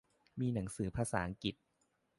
มีหนังสือภาษาอังกฤษ